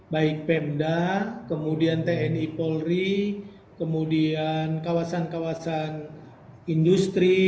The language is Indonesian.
baik pemda kemudian tni polri kemudian kawasan kawasan industri